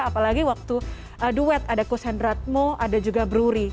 apalagi waktu duet ada kusendrat mo ada juga bruri